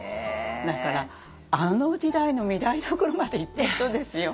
だからあの時代の御台所までいった人ですよ。